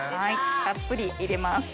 たっぷり入れます。